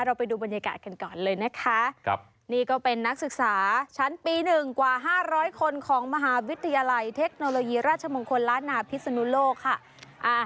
ไปดูบรรยากาศกันก่อนเลยนะคะนี่ก็เป็นนักศึกษาชั้นปี๑กว่า๕๐๐คนของมหาวิทยาลัยเทคโนโลยีราชมงคลล้านนาพิศนุโลกค่ะ